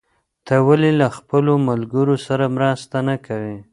ته ولې له خپلو ملګرو سره مرسته نه کوې؟